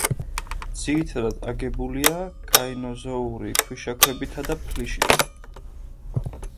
ძირითადად აგებულია კაინოზოური ქვიშაქვებითა და ფლიშით.